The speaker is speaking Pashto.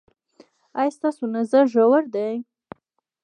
ایا ستاسو نظر ژور دی؟